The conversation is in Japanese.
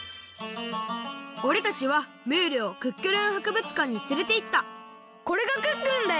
おれたちはムールをクックルン博物館につれていったこれがクックルンだよ！